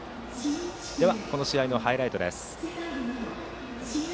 では、この試合のハイライトです。